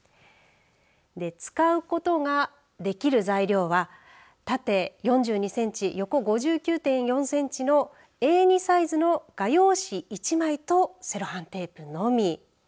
使うことができる材料は縦４２センチ横５９．４センチのＡ２サイズの画用紙１枚とセロハンテープのみ。